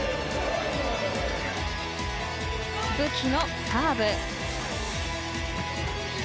武器のサーブ。